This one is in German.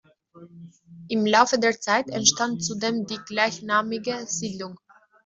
Im Laufe der Zeit entstand zudem die gleichnamige Siedlung.